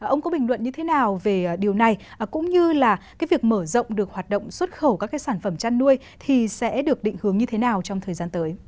ông có bình luận như thế nào về điều này cũng như là cái việc mở rộng được hoạt động xuất khẩu các cái sản phẩm chăn nuôi thì sẽ được định hướng như thế nào trong thời gian tới